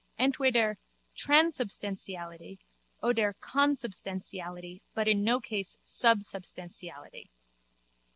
Entweder_ transubstantiality oder consubstantiality but in no case subsubstantiality.